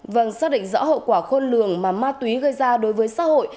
vâng xác định rõ hậu quả khôn lường mà ma túy gây ra đối với xã hội